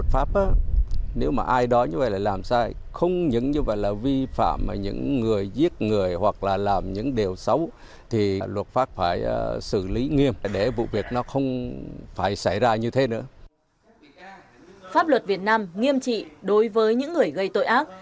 pháp luật việt nam nghiêm trị đối với những người gây tội ác